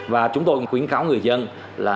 và chúng tôi khuyến cáo người dân là